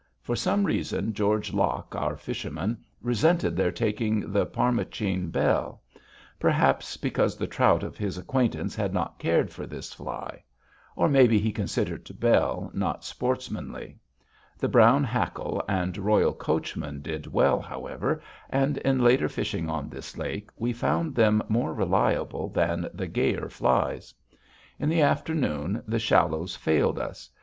For some reason, George Locke, our fisherman, resented their taking the Parmachene Belle. Perhaps because the trout of his acquaintance had not cared for this fly. Or maybe he considered the Belle not sportsmanly. The Brown Hackle and Royal Coachman did well, however, and, in later fishing on this lake, we found them more reliable than the gayer flies. In the afternoon, the shallows failed us.